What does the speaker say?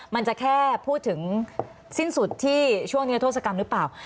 มันจะแค่พูดถึงสิ้นสุดที่ช่วงนิรโทษกรรมหรือเปล่า